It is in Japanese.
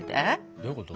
どういうこと？